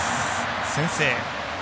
先制。